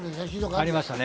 ありましたね。